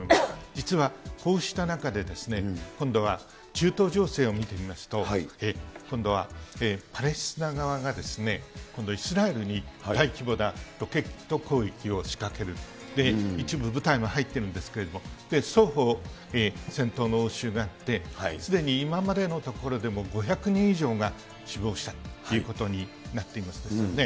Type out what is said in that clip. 実はこうした中で今度は中東情勢を見てみますと、今度はパレスチナ側が今度、イスラエルに大規模なロケット攻撃を仕掛ける、一部部隊も入ってるんですけれども、双方、戦闘の応酬があって、すでに今までのところでも、５００人以上が死亡したということになっていますよね。